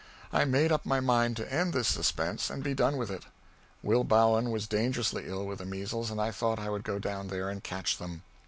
I made up my mind to end this suspense and be done with it. Will Bowen was dangerously ill with the measles and I thought I would go down there and catch them.